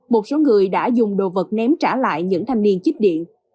một số người đã dùng đồ vật ném trả lại những thanh niên chích điện